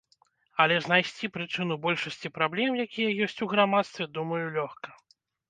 Але знайсці прычыну большасці праблем, якія ёсць у грамадстве, думаю, лёгка.